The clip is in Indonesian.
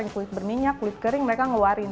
kulit berminyak kulit kering mereka ngeluarin